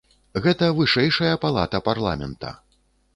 Гэта вышэйшая палата парламента.